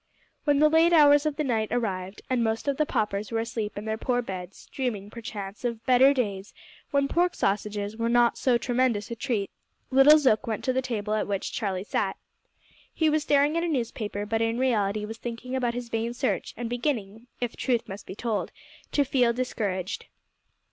When the late hours of night had arrived, and most of the paupers were asleep in their poor beds, dreaming, perchance, of "better days" when pork sausages were not so tremendous a treat, little Zook went to the table at which Charlie sat. He was staring at a newspaper, but in reality was thinking about his vain search, and beginning, if truth must be told, to feel discouraged.